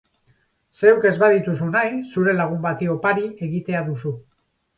Zeuk ez badituzu nahi zure lagun bati opari egitea duzu.